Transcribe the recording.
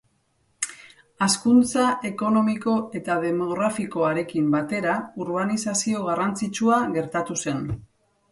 Hazkuntza ekonomiko eta demografikoarekin batera urbanizazio garrantzitsua gertatu zen.